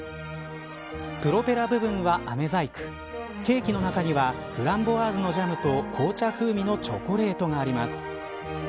プロペラ部分はあめ細工ケーキの中にはフランボワーズのジャムと紅茶風味のチョコレートがあります。